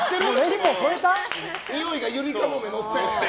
においがゆりかもめ乗って？